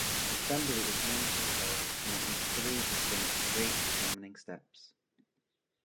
Assembly is known to occur in at least three distinct rate-determining steps.